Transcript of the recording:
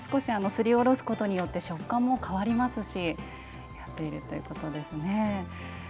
すりおろすことによって食感も変わりますし合っているということですね。